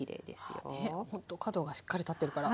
あねほんと角がしっかり立ってるから。